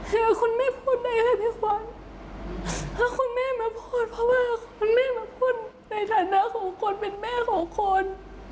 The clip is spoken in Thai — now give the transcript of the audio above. คือคุณแม่พูดนะคะพี่ขวัญถ้าคุณแม่มาพูดเพราะว่าคุณแม่มาพูดในฐานะของคนเป็นแม่ของคน